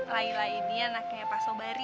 laila ini anaknya pak sobari